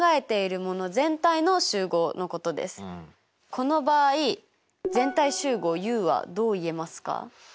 この場合全体集合Ｕはどう言えますか？